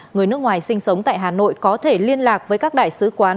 người nước ngoài sinh sống tại hà nội có thể liên lạc với các đại sứ quán